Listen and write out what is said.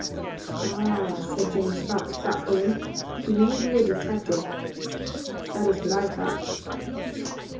"Ah!" said James Fox, thoughtfully. "He may be a detective." "That is what I thought."